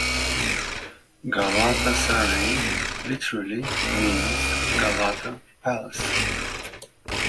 "Galatasaray" literally means "Galata Palace".